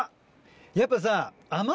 やっぱさ。